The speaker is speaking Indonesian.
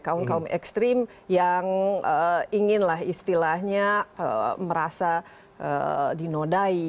kawan kawan ekstrim yang inginlah istilahnya merasa dinodai